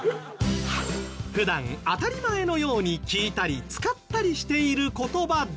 普段当たり前のように聞いたり使ったりしている言葉でも